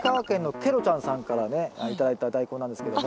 ケロちゃんさんからね頂いたダイコンなんですけども。